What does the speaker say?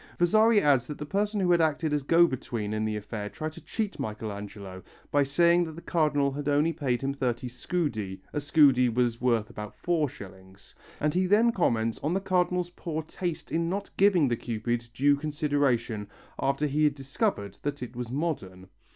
Vasari adds that the person who had acted as go between in the affair tried to cheat Michelangelo by saying that the Cardinal had only paid him 30 scudi (a scudi was worth about 4s.), and he then comments on the Cardinal's poor taste in not giving the Cupid due consideration after he had discovered that it was modern.